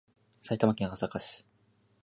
埼玉県朝霞市